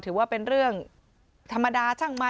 ถือว่าเป็นเรื่องธรรมดาช่างมา